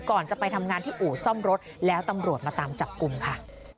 ก่อนจะไปทำงานที่อู่ซ่อมรถแล้วตำรวจมาตามจับกลุ่มค่ะ